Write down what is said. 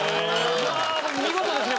見事ですね